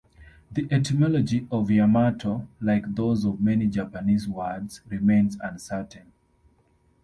The etymology of "Yamato", like those of many Japanese words, remains uncertain.